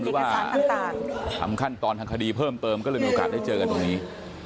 หรือว่าทำขั้นตอนทางคดีเพิ่มเติมก็เลยมีโอกาสได้เจอกันตรงนี้